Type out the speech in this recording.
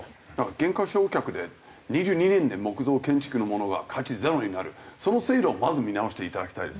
減価償却で２２年で木造建築のものが価値ゼロになるその制度をまず見直していただきたいです。